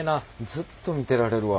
ずっと見てられるわ。